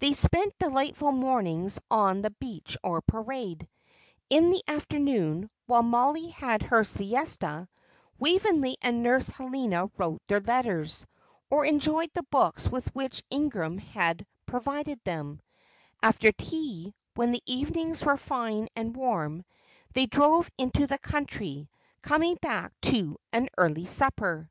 They spent delightful mornings on the beach or parade; in the afternoon, while Mollie had her siesta, Waveney and Nurse Helena wrote their letters, or enjoyed the books with which Ingram had provided them; after tea, when the evenings were fine and warm, they drove into the country, coming back to an early supper.